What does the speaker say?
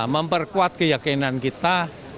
memperkuat keyakinan kita